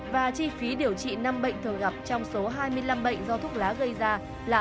và chi phí điều trị năm bệnh thường gặp trong số hai mươi năm bệnh do thuốc lá gây ra là hai mươi bốn tỷ đồng mỗi năm